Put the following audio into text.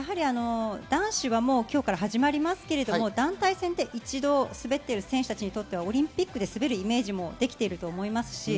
男子は今日から始まりますけれど、団体戦は一度滑っている選手たちにとってはオリンピックで滑るイメージもできていると思います。